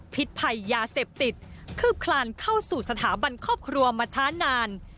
ภัยยาเสพติดคืบคลานเข้าสู่สถาบันครอบครัวมาช้านาน